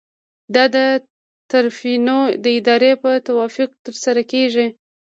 دا د طرفینو د ارادې په توافق ترسره کیږي.